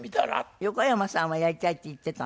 横山さんはやりたいって言ってたの？